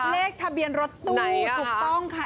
เลขทะเบียนรถตู้ถูกต้องค่ะ